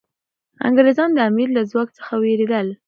انګریزان د امیر له ځواک څخه ویرېدل.